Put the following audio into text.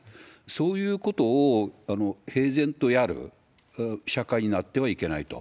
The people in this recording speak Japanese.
そういうことを平然とやる社会になってはいけないと。